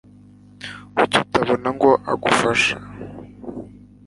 Kuki utabona ngo agufashe?